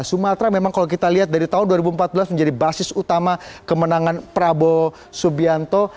sumatera memang kalau kita lihat dari tahun dua ribu empat belas menjadi basis utama kemenangan prabowo subianto